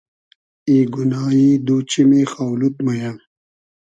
ای گونایی دو چیمی خاو لود مۉ یۂ